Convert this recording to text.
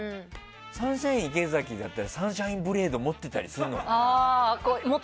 サンシャイン池崎だったらサンシャインブレード持ってたりするのかな。